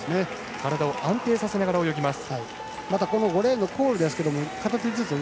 体を安定させながら泳ぎます。